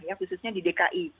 ya khususnya di dki